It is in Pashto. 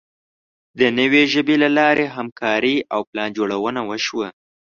د نوې ژبې له لارې همکاري او پلانجوړونه وشوه.